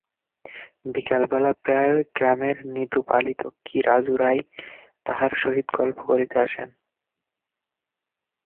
বিকালবেলা প্রায়ই গ্রামের দীনু পালিত কি রাজু রায় তাহার সহিত গল্প করিতে আসেন।